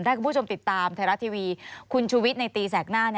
ถ้าคุณผู้ชมติดตามไทยรัฐทีวีคุณชูวิทย์ในตีแสกหน้า